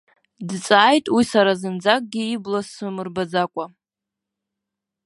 Дҵааит уи сара зынӡагьы ибла самырбаӡакәа.